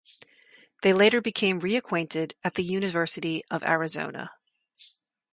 They later became reacquainted at the University of Arizona.